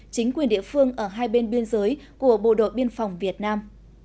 chính quyền địa phương ở hai bên biên giới của bộ đội biên phòng việt nam